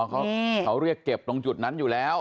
เขาเรียกเก็บตรงจุดนั้นอยู่แล้ว